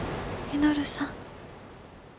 稔さん！